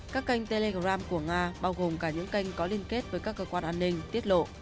các kênh telegram của nga bao gồm cả những kênh có liên kết với các cơ quan an ninh tiết lộ